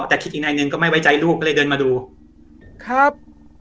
แต่คิดอีกนายหนึ่งก็ไม่ไว้ใจลูกก็เลยเดินมาดูครับ